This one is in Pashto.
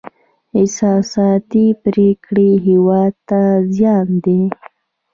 احساساتي پرېکړې هېواد ته زیان دی.